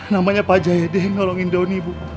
namanya pak jayadeh yang nolongin doni bu